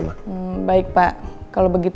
uya buka gerbang